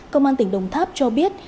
công an tỉnh đồng tháp cho biết